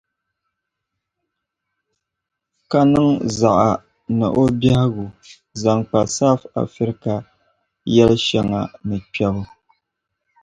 Ka niŋ zaɣa ni o biɛhigu zaŋ kpa South Africa yɛli shɛŋa ni kpɛbu.